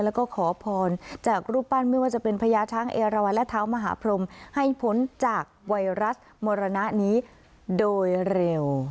แล้วก็ขอพรจากรูปปั้นไม่ว่าจะเป็นพญาช้างเอราวันและเท้ามหาพรมให้พ้นจากไวรัสมรณะนี้โดยเร็ว